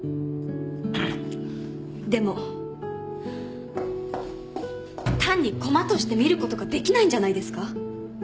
でも単に駒として見ることができないんじゃないですか？